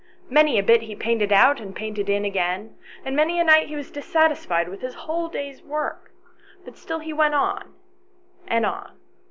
Many a bit he painted out and painted in again, and many a night he was dissatisfied with his whole day's work, but still he went on and on.